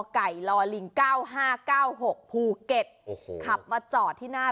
ไก่ลอลิงเก้าห้าเก้าหกภูเก็ตโอ้โหขับมาจอดที่หน้า